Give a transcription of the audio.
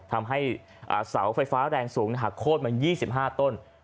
ทำให้เสาไฟฟ้าแรงสูงหักโคตรมา๒๕ต้น